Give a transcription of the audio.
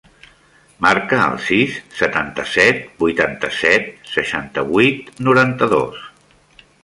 Marca el sis, setanta-set, vuitanta-set, seixanta-vuit, noranta-dos.